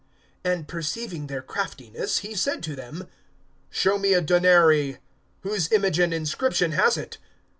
(23)And perceiving their craftiness, he said to them: (24)Show me a denary[20:24]. Whose image and inscription has it?